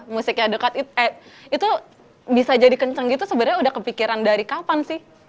musiknya dekat itu bisa jadi kenceng gitu sebenarnya udah kepikiran dari kapan sih